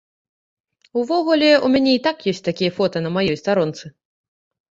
Увогуле, у мяне і так ёсць такія фота на маёй старонцы.